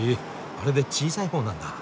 あれで小さい方なんだ。